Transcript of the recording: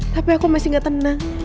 tapi aku masih gak tenang